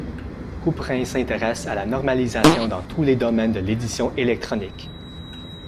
Couperin s’intéresse à la normalisation dans tous les domaines de l'édition électronique.